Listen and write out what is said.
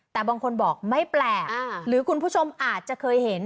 แต่บางคนบอกไม่แปลกหรือคุณผู้ชมอาจจะเคยเห็น